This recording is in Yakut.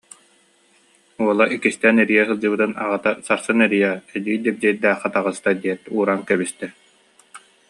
Уола иккистээн эрийэ сылдьыбытын аҕата «сарсын эрийээр, эдьиий Дьэбдьиэйдээххэ таҕыста» диэт, ууран кэбистэ